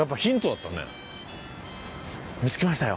見つけましたよ。